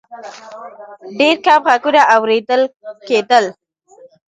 ډېر کم غږونه اورېدل کېدل.